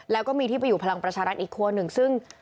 แล้วก็มีที่ไปอยู่พลังประชารัฐอีกคั่วหนึ่งซึ่ง